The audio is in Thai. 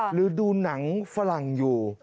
หรือดูหนังฝรั่งอยู่